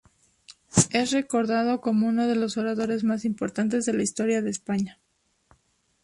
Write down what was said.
Es recordado como uno de los oradores más importantes de la historia de España.